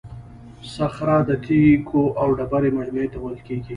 صخره د تیکو او ډبرو مجموعې ته ویل کیږي.